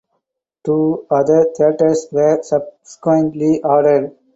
Two other theatres were subsequently added.